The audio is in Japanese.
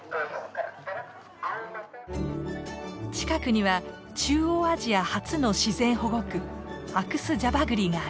近くには中央アジア初の自然保護区アクス＝ジャバグリがある。